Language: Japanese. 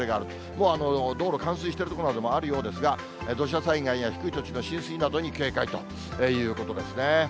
もう道路、冠水している所などもあるようですが、土砂災害や低い土地の浸水などに警戒ということですね。